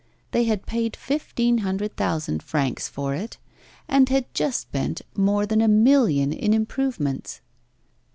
They had paid fifteen hundred thousand francs for it, and had just spent more than a million in improvements.